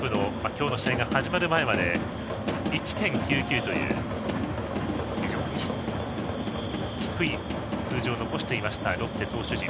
この試合が始まるまで１．９９という非常に低い数字を残していたロッテの投手陣。